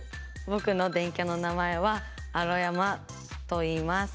ぼくの電キャの名前は「アロヤマ」といいます。